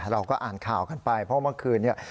เราก็อ่านข่าวกันไปเพราะเมื่อคืนนี้